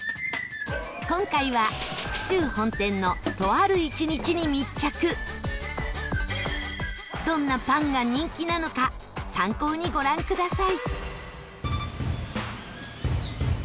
今回は、府中本店のとある１日に密着どんなパンが人気なのか参考にご覧ください